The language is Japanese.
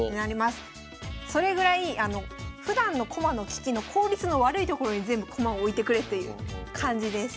それぐらいふだんの駒の利きの効率の悪い所に全部駒を置いてくれっていう感じです。